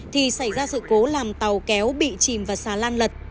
thì xảy ra sự cố làm tàu kéo bị chìm và xà lan lật